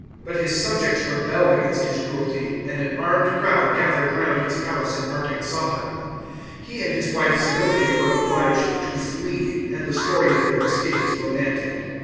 But his subjects rebelle<i against his cruelty, and an armed crowd gathered round his palace in Artaxata. He and his wile Zenobia were obliged to flee, and the story of their escape is romantic.